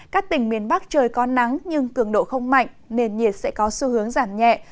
các tỉnh miền bắc trời có nắng nhưng cường độ không mạnh nền nhiệt sẽ có xu hướng giảm nhẹ